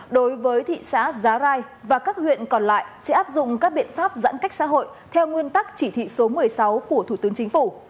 đối với thị xã giá rai và các huyện còn lại sẽ áp dụng các biện pháp giãn cách xã hội theo nguyên tắc chỉ thị số một mươi sáu của thủ tướng chính phủ